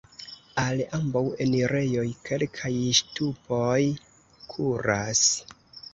Al ambaŭ enirejoj kelkaj ŝtupoj kuras.